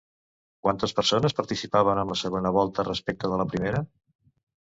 Quantes persones participaven en la segona volta respecte de la primera?